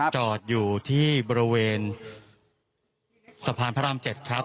จอดอยู่ที่บริเวณสะพานพระราม๗ครับ